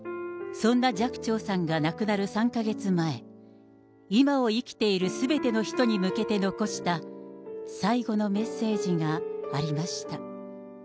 そんな寂聴さんが亡くなる３か月前、今を生きているすべての人に向けて残した最後のメッセージがありました。